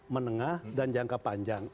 menengah dan jangka panjang